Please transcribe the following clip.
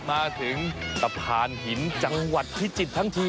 มาถึงสะพานหินจังหวัดพิจิตรทั้งที